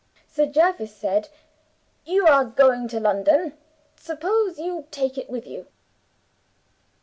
Sir Jervis said, 'You are going to London; suppose you take it with you?